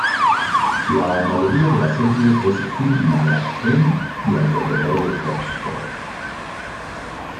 La mayoría de la serie es filmada en y alrededor de Oxford.